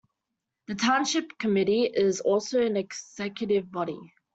The Township Committee is also an executive body.